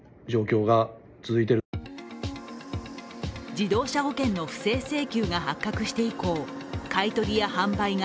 自動車保険の不正請求が発覚して以降、買取屋販売が